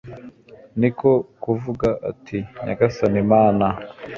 ni ko kuvuga ati nyagasani, mana